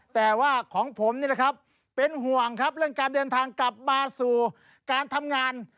แต่ว่าของผมนี่แหละครับเป็นห่วงครับเรื่องการเดินทางกลับมาสู่การทำงาน